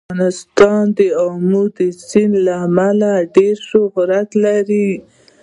افغانستان د آمو سیند له امله ډېر شهرت لري.